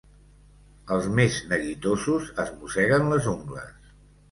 Els més neguitosos es mosseguen les ungles.